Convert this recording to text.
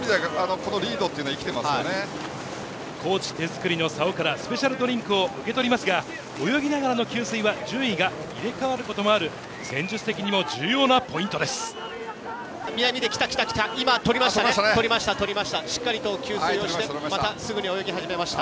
コーチ手作りの竿をからスペシャルドリンクを受け取りますが、泳ぎながらの給水は順位が入れ替わることもある南出、今、取りました。